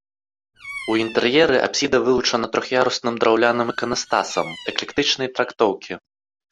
У інтэр'еры апсіда вылучана трох'ярусным драўляным іканастасам эклектычнай трактоўкі.